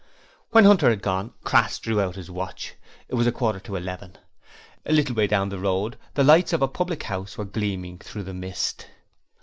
When Hunter had gone, Crass drew out his watch. It was a quarter to eleven. A little way down the road the lights of a public house were gleaming through the mist.